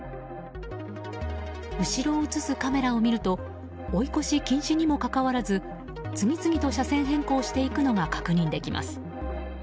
後ろを映すカメラを見ると追い越し禁止にもかかわらず次々と車線変更していくのが確認できます。